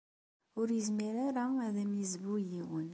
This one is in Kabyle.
Ur yezmir ara ad am-yezbu yiwen.